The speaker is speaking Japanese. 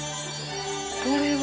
これは。